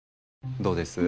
どうです？